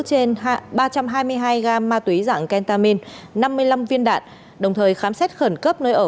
trên ba trăm hai mươi hai gam ma túy dạng kentamin năm mươi năm viên đạn đồng thời khám xét khẩn cấp nơi ở